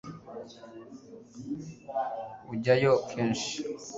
ujyayo kenshi